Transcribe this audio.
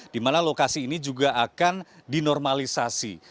di mana lokasi ini juga akan dinormalisasi